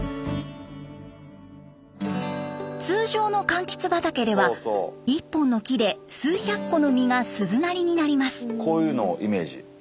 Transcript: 通常のかんきつ畑では一本の木で数百個の実が鈴なりになります。